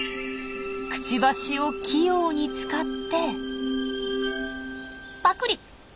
くちばしを器用に使ってパクリ！